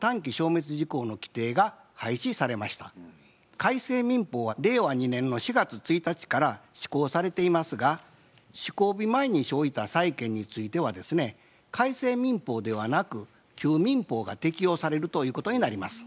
改正民法は令和２年の４月１日から施行されていますが施行日前に生じた債権についてはですね改正民法ではなく旧民法が適用されるということになります。